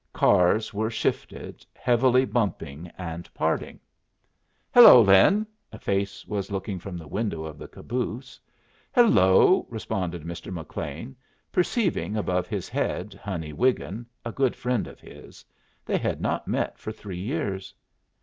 Cars were shifted, heavily bumping and parting. "Hello, Lin!" A face was looking from the window of the caboose. "Hello!" responded Mr. McLean, perceiving above his head Honey Wiggin, a good friend of his. They had not met for three years.